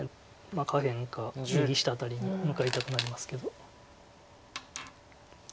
下辺か右下辺りに向かいたくなりますけど。